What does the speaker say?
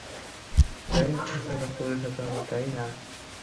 কারণ আমাকে একজন পুলিশ হতে হবে, তাই না।